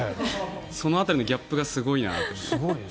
その辺りのギャップがすごいなと思います。